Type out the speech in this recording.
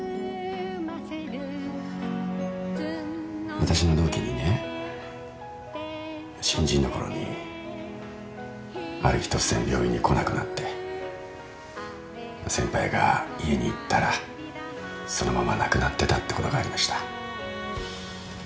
私の同期にね新人の頃にある日突然病院に来なくなって先輩が家に行ったらそのまま亡くなってたってことがありました。